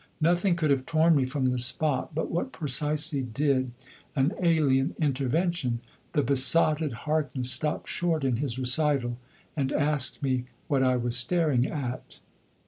Nothing could have torn me from the spot but what precisely did, an alien intervention. The besotted Harkness stopped short in his recital and asked me what I was staring at.